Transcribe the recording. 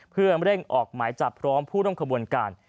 เพื่อเร่งออกหมายจับพร้อมผู้ร่วมขบวนการ